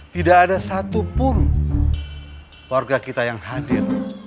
tidak ada satupun warga kita yang hadir